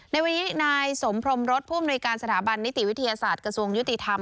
ในวันนี้นายสมพรมรสผู้อำนวยการสถาบันนิติวิทยาศาสตร์กระทรวงยุติธรรม